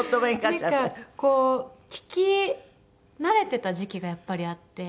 なんかこう聞き慣れてた時期がやっぱりあって。